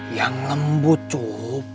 yang lembut cukup